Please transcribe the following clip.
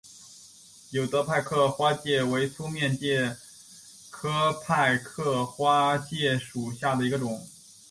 有德派克花介为粗面介科派克花介属下的一个种。